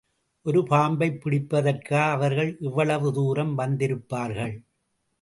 ஒரு பாம்பைப் பிடிப்பதற்கா அவர்கள் இவ்வளவு தூரம் வந்திருப்பார்கள்?